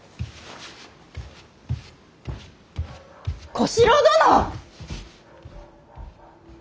小四郎殿！